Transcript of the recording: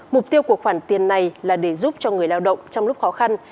mục tiêu của khoản tiền này là để giúp cho người lao động trong lúc khó khăn